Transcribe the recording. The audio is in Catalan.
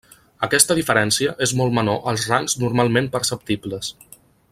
Aquesta diferència és molt menor als rangs normalment perceptibles.